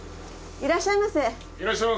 いらっしゃいませ。